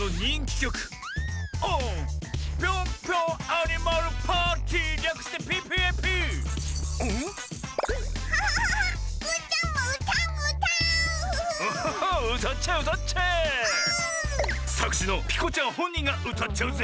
さくしのピコちゃんほんにんがうたっちゃうぜ！